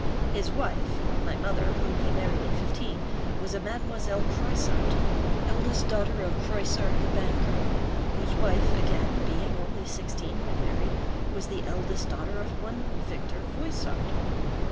His wife—my mother, whom he married at fifteen—was a Mademoiselle Croissart, eldest daughter of Croissart the banker, whose wife, again, being only sixteen when married, was the eldest daughter of one Victor Voissart.